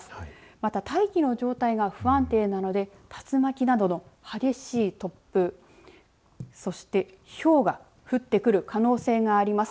また大気の状態が不安定なので竜巻などの激しい突風そして、ひょうが降ってくる可能性があります。